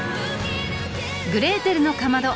「グレーテルのかまど」